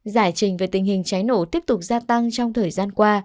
giải trình về tình hình cháy nổ tiếp tục gia tăng trong thời gian qua